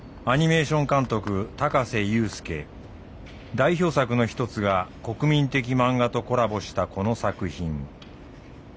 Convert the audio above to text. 代表作の一つが国民的漫画とコラボしたこの作品。